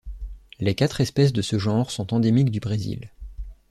Les quatre espèces de ce genre sont endémiques du Brésil.